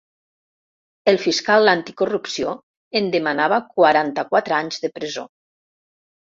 El fiscal anticorrupció en demanava quaranta-quatre anys de presó.